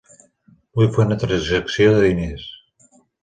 Vull fer una transacció de diners.